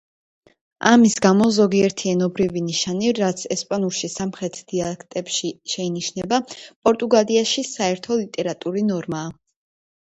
ამის გამო ზოგიერთი ენობრივი ნიშანი, რაც ესპანურში სამხრეთ დიალექტებში შეინიშნება, პორტუგალიაში საერთო ლიტერატურული ნორმაა.